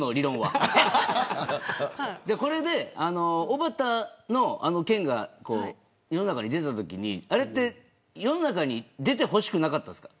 あれで、おばたの件が世の中に出たときにあれって世の中に出てほしくなかったですか。